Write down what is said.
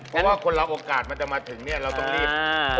เพราะว่าคนเราโอกาสมันจะมาถึงเนี่ยเราต้องรีบ